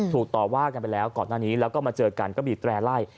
ต่อว่ากันไปแล้วก่อนหน้านี้แล้วก็มาเจอกันก็บีบแร่ไล่